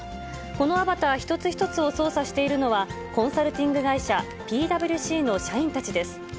このアバター一つ一つを操作しているのは、コンサルティング会社、ＰｗＣの社員たちです。